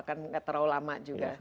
tidak terlalu lama juga